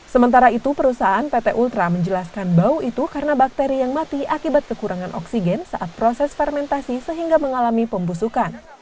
sementara itu perusahaan pt ultra menjelaskan bau itu karena bakteri yang mati akibat kekurangan oksigen saat proses fermentasi sehingga mengalami pembusukan